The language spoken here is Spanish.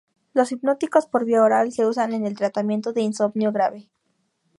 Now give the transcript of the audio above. Los hipnóticos por vía oral se usan en el tratamiento de insomnio grave.